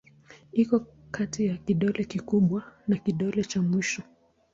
Iko kati ya kidole kikubwa na kidole cha mwisho.